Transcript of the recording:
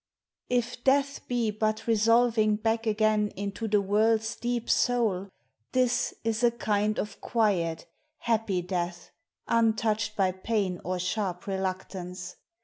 If death be but resolving back again Into the world's deep soul, this is a kind Of quiet, happy death, untouched by pain Or sharp reluctance.